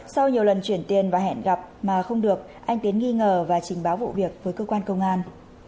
sau nhiều lần chuyển tiền và hẹn gặp mà không được anh tiến nghi ngờ và trình báo vụ việc với cơ quan công an